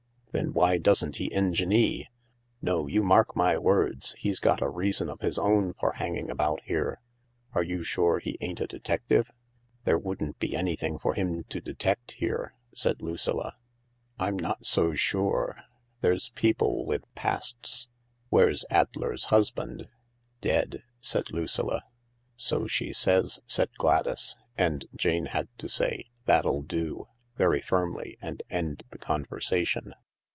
" Then why doesn't he enginee ? No, you mark my words : he's got a reason of his own for hanging about here ; are you sure he ain't a detective ?" "There wouldn't be anything for him to detect here," said Lucilla. " I'm not so sure. There's people with pasts. Where's Addler's husband ?"" Dead," said Lucilla. "So she says," said Gladys. And Jane had to say, "That'll do," very firmly and end the conversation.